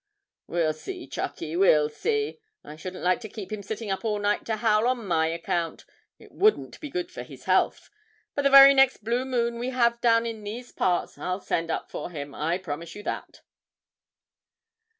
'We'll see, Chuckie, we'll see. I shouldn't like to keep him sitting up all night to howl on my account; it wouldn't be good for his health. But the very next blue moon we have down in these parts, I'll send up for him I promise you that.'